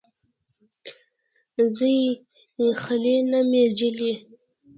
ځي خلې نه مې جلۍ